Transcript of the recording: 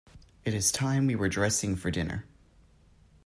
It is time we were dressing for dinner.